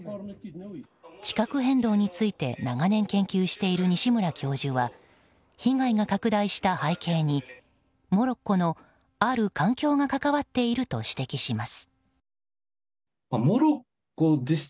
地殻変動について長年研究している西村教授は被害が拡大した背景にモロッコの、ある環境が関わっていると指摘します。